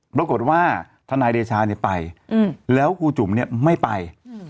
ทนายเดชาเนี่ยไปแล้วครูจุ๋มเนี่ยไม่ไป